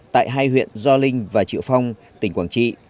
tại hai huyện gio linh và triệu phong tỉnh quảng trị